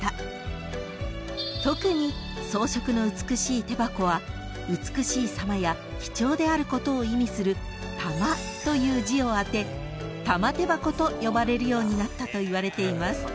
［特に装飾の美しい手箱は美しいさまや貴重であることを意味する「玉」という字を当て玉手箱と呼ばれるようになったといわれています］